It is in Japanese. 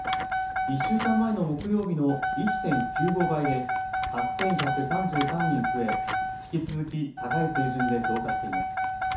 １週間前の木曜日の１．９５倍で８１３３人増え、引き続き高い水準で増加しています。